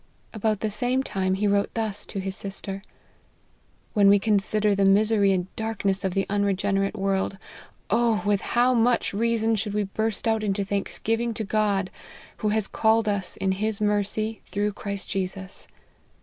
About the same time he wrote thus to his sister: " When we consider the misery and darkness of the unregenerate world, oh ! with how much rea son should we burst out into thanksgiving to God, who has called us in his mercy through Christ Jesus